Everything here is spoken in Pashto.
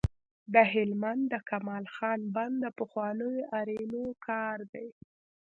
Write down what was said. د هلمند د کمال خان بند د پخوانیو آرینو کار دی